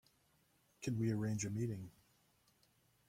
Can we arrange a meeting?